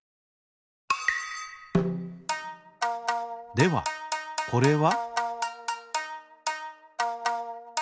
ではこれは？